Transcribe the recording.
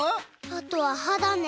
あとははだね。